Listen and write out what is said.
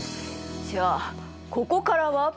じゃあここからは。